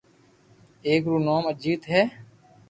ايڪ رو نوم اجيت ھي